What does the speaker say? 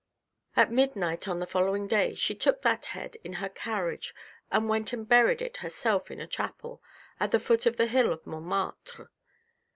At midnight on the following day she took that head in her carriage and went and buried it her self in a chapel at the foot of the hill at Montmartre."